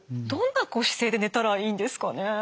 どんな姿勢で寝たらいいんですかね？